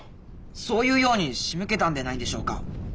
そう言うようにしむけたんでないでしょうか。